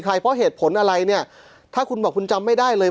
เพราะเหตุผลอะไรเนี่ยถ้าคุณบอกคุณจำไม่ได้เลย